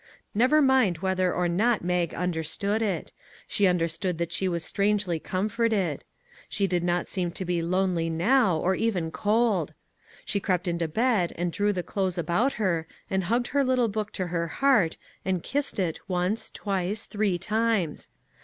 Never mind whether or not Mag un derstood it. She understood that she was strangely comforted. She did not seem to be 46 "A GIRL OUT OF A BOOK" lonely now, or even cold. She crept into bed and drew the clothes about her, and hugged her little book to her heart, and kissed it once, twice, three times.